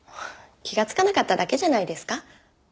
気がつかなかっただけじゃないですか？